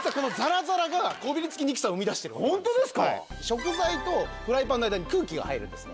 食材とフライパンの間に空気が入るんです